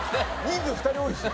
人数２人多いし。